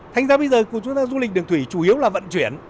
thanh ra bây giờ của chúng ta du lịch đường thủy chủ yếu là vận chuyển